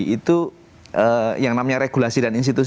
itu yang namanya regulasi dan institusi